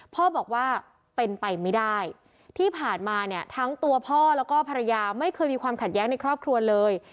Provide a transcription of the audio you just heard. พ่อบอกว่าเป็นไปไม่ได้ที่ผ่านมาเนี่ยทั้งตัวพ่อแล้วก็ภรรยาไม่เคยมีความขัดแย้งในครอบครัวเลย